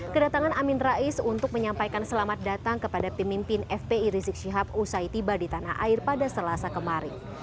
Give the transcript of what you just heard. kedatangan amin rais untuk menyampaikan selamat datang kepada pemimpin fpi rizik syihab usai tiba di tanah air pada selasa kemarin